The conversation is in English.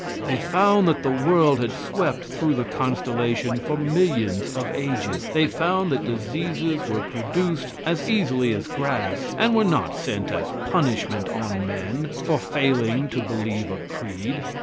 They found that the world had swept through the constellation for millions of ages. They found that diseases were produced as easily as grass, and were not sent as punishment on men for failing to believe a creed.